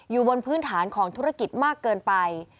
อยู่บนพื้นฐานของธุรกิจมากเกินไป